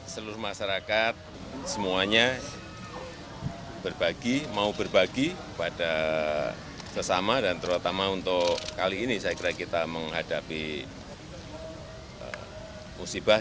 seluruh masyarakat semuanya mau berbagi kepada sesama dan terutama untuk kali ini saya kira kita menghadapi musibah